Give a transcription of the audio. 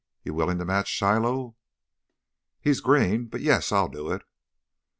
You willing to match Shiloh?" "He's green, but, yes, I'll do it."